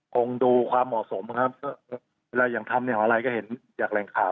คงดูความเหมาะสมครับเวลาอย่างทำเนี่ยอะไรก็เห็นจากแหล่งข่าว